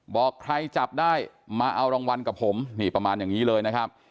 บอกใครจับได้มาเอารางวัลกับผมนี่ประมาณอย่างนี้เลยนะครับ